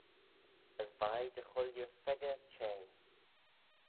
As veih dy chooilley pheccah çhea.